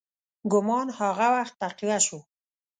ګومان هغه وخت تقویه شو.